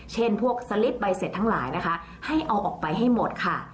เช่นพวกสลิปใบเสร็จทั้งหลายนะคะให้เอาออกไปให้หมดค่ะ